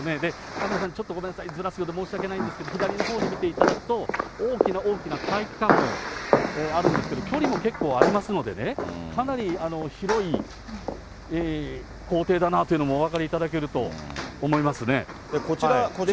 カメラさん、ちょっとずらすようで申し訳ないんですけど、左の方に見ていただくと、大きな大きな体育館もあるんですけど、距離も結構ありますのでね、かなり広い校庭だなというのもお分かりいただけると思いますね。